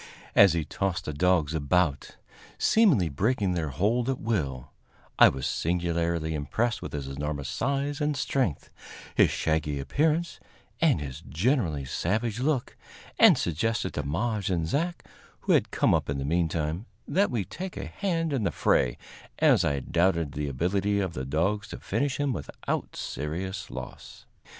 As he tossed the dogs about, seemingly breaking their hold at will, I was singularly impressed with his enormous size and strength, his shaggy appearance and his generally savage look, and suggested to Maje and Zach, who had come up in the meantime, that we take a hand in the fray, as I doubted the ability of the dogs to finish him without serious loss.